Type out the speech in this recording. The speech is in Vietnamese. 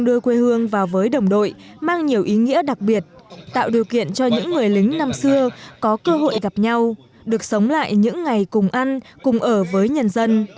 đưa quê hương vào với đồng đội mang nhiều ý nghĩa đặc biệt tạo điều kiện cho những người lính năm xưa có cơ hội gặp nhau được sống lại những ngày cùng ăn cùng ở với nhân dân